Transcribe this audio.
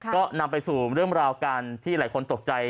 ก็นำไปสู่เรื่องราวการที่หลายคนตกใจ